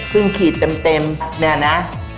เพิ่งขีดเต็มเนี่ยนะ